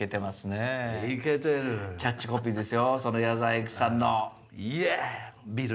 キャッチコピーですよその矢沢永吉さんの。